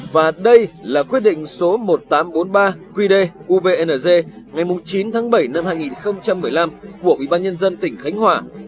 và đây là quyết định số một nghìn tám trăm bốn mươi ba quy đê ub ng ngày chín tháng bảy năm hai nghìn một mươi năm của ub nhân dân tỉnh khánh hòa